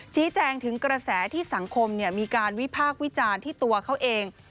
ชี้แจงถึงกระแสที่สังคมมีการวิพากษ์วิจารณ์ที่ตัวเขาเอง